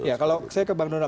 ya kalau saya kebangunan